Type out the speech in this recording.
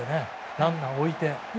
ランナーを置いて。